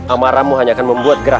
amaramu hanya akan membuat gerak